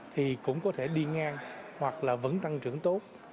thì cũng có thể đi ngang hoặc là vẫn tăng trưởng tốt